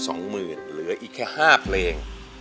สองหมื่นเหลืออีกแค่ห้าเพลง